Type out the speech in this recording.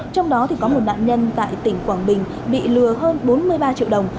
trong đó có một nạn nhân tại tỉnh quảng bình bị lừa hơn bốn mươi ba triệu đồng